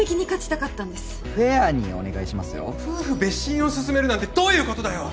夫婦別寝をすすめるなんてどういうことだよ。